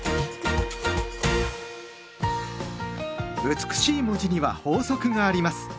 美しい文字には法則があります。